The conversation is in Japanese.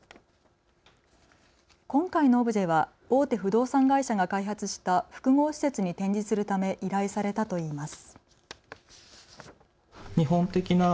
今回のオブジェは大手不動産会社が開発した複合施設に展示するため依頼されたといいます。